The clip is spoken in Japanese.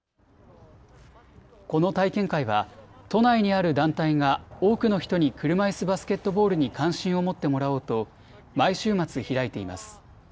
この体験会は都内にある団体が多くの人に車いすバスケットボールに関心を持ってもらおうと毎週末、開いています。